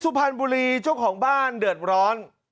สุภัณฑ์บุรีช่วงของบ้านเดือดร้อน